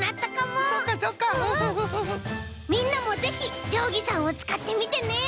みんなもぜひじょうぎさんをつかってみてね！